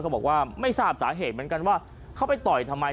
บอกว่าไม่ทราบสาเหตุเหมือนกันว่าเขาไปต่อยทำไม